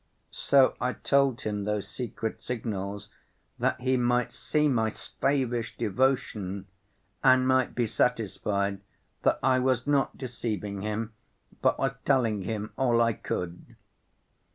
So I told him those secret signals that he might see my slavish devotion, and might be satisfied that I was not deceiving him, but was telling him all I could."